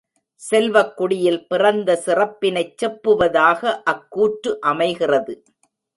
செல்வக் குடியில் பிறந்த சிறப்பினைச் செப்புவதாக அக் கூற்று அமைகிறது.